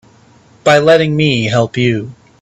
By letting me help you.